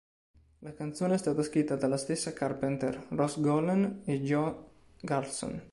La canzone è stata scritta dalla stessa Carpenter, Ross Golan e Johan Carlsson.